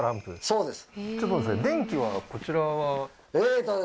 そうです